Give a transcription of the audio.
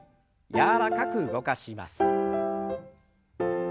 柔らかく動かします。